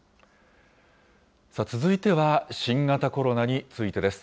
続いては、新型コロナについてです。